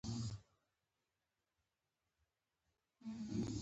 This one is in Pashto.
د غزني په واغظ کې د لیتیم نښې شته.